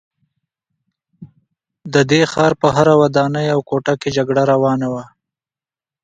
د دې ښار په هره ودانۍ او کوټه کې جګړه روانه وه